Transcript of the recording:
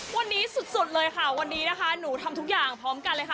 วันนี้สุดเลยค่ะวันนี้นะคะหนูทำทุกอย่างพร้อมกันเลยค่ะ